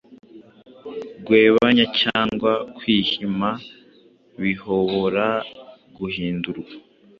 guebanya cyangwa kwihima bihobora guhindurwa